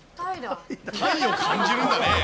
タイを感じるんだね。